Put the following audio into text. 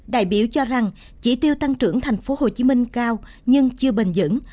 đại biểu cho rằng chỉ tiêu tăng trưởng tp hcm cao nhưng chưa bền dững